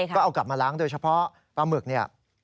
ก็เอากลับมาล้างโดยเฉพาะปลาหมึกเนี่ย